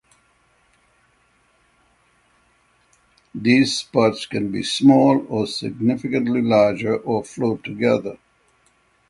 These spots can be small or significantly larger or flow together.